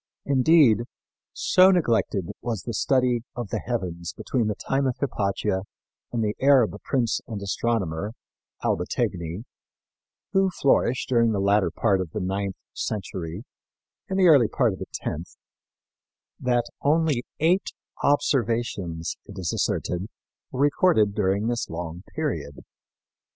Indeed, so neglected was the study of the heavens between the time of Hypatia and the Arab prince and astronomer, Albategni, who flourished during the latter part of the ninth century and the early part of the tenth, that only eight observations, it is asserted, were recorded during this long period.